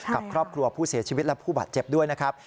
กับครอบครัวผู้เสียชีวิตและผู้บาดเจ็บด้วยนะครับ